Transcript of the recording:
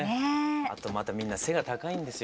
あとまたみんな背が高いんですよ。